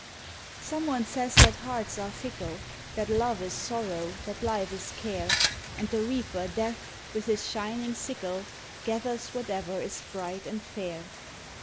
Some one says that hearts are fickle, That love is sorrow, that life is care, And the reaper Death, with his shining sickle, Gathers whatever is bright and fair.